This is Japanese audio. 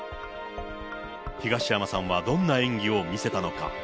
東山さんはどんな演技を見せたのか。